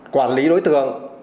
quản lý đối tượng